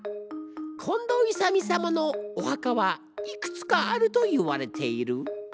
近藤勇様のお墓はいくつかあるといわれている。